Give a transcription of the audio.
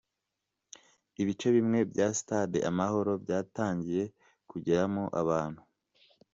Ibice bimwe bya sitade Amahoro byatangiye kugeramo abantu .